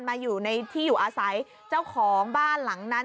มาอยู่ในที่อยู่อาศัยเจ้าของบ้านหลังนั้น